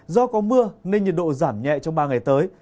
do có mưa nên nhiệt độ giảm nhẹ trong ba ngày tới